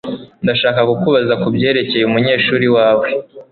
Ndashaka kukubaza kubyerekeye umunyeshuri wawe.